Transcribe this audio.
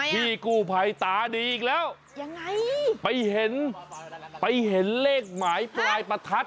ที่กูภายตาดีอีกแล้วไปเห็นเลขหมายปลายประทัด